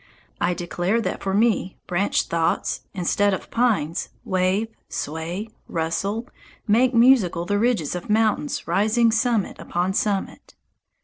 I declare that for me branched thoughts, instead of pines, wave, sway, rustle, make musical the ridges of mountains rising summit upon summit.